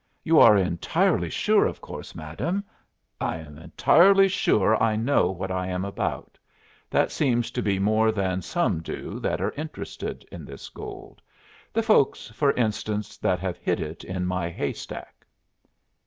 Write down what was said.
"You are entirely sure, of course, madam " "I am entirely sure I know what I am about. That seems to be more than some do that are interested in this gold the folks, for instance, that have hid it in my hay stack."